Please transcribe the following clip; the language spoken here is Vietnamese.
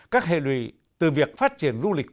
các hệ lụy từ việc phát triển du lịch